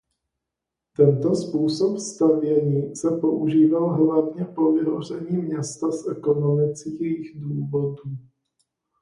Tento způsob stavění se používal hlavně po vyhoření města z ekonomických důvodů.